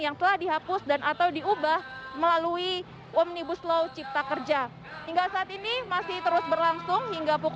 yang telah dihapus dan atau diubah melalui ump